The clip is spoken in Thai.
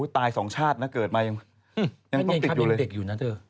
ตายสองชาตินะเกิดมายังต้องติดอยู่เลย